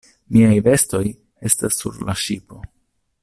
Miaj vestoj estas sur la ŝipo.